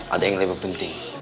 ada yang lebih penting